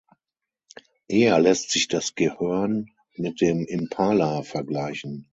Eher lässt sich das Gehörn mit dem Impala vergleichen.